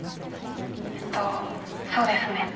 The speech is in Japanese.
えっとそうですね